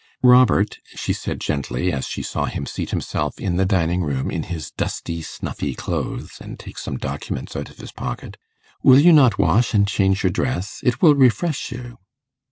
'Robert,' she said gently, as she saw him seat himself in the dining room in his dusty snuffy clothes, and take some documents out of his pocket, 'will you not wash and change your dress? It will refresh you.